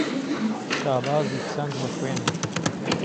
شابازی چەنگ به خوێنم